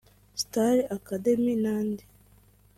Star Academy n’andi